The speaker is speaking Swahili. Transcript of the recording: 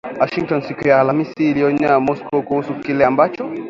Washington siku ya Alhamisi iliionya Moscow kuhusu kile ambacho